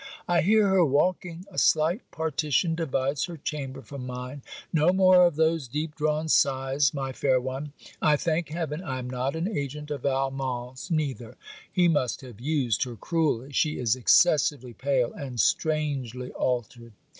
I hear her walking. A slight partition divides her chamber from mine. No more of those deep drawn sighs, my fair one! I thank heaven I am not an agent of Valmont's neither. He must have used her cruelly. She is excessively pale; and strangely altered.